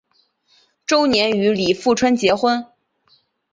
同年与李富春结婚。